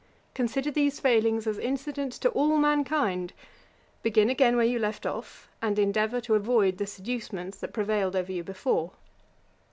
Consider these failings as incident to all mankind. Begin again where you left off, and endeavour to avoid the seducements that prevailed over you before.